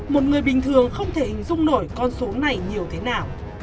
một người bình thường không thể hình dung nổi con số này nhiều thế nào